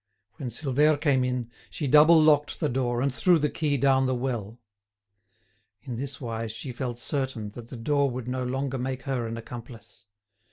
When Silvère came in, she double locked the door, and threw the key down the well. In this wise she felt certain that the door would no longer make her an accomplice.